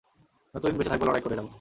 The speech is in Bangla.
যতদিন বেঁচে থাকব, লড়াই করে যাবো।